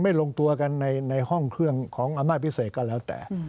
ลงตัวกันในห้องเครื่องของอำนาจพิเศษก็แล้วแต่